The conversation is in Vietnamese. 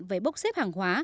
với bốc xếp hàng hóa